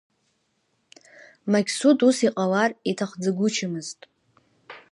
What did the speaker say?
Мақьсуд ус иҟалар иҭахӡагәышьамызт.